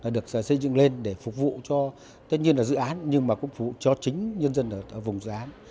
được xây dựng lên để phục vụ cho tất nhiên là dự án nhưng mà cũng phục vụ cho chính nhân dân ở vùng dự án